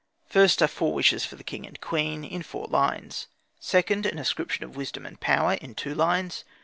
First are four wishes for the king and queen, in four lines. Second, an ascription of wisdom and power, in two lines.